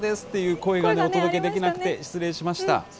声がね、お届けできなくて失礼しました。